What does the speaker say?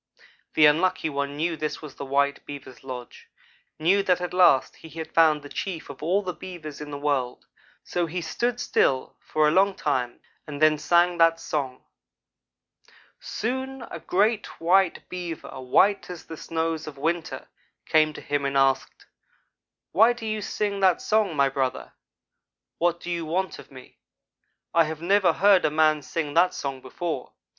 The Unlucky one knew this was the white Beaver's lodge knew that at last he had found the chief of all the Beavers in the world; so he stood still for a long time, and then sang that song. "Soon a great white Beaver white as the snows of winter came to him and asked: 'Why do you sing that song, my brother? What do you want of me? I have never heard a man sing that song before.